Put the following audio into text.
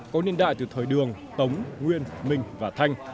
có niên đại từ thời đường tống nguyên minh và thanh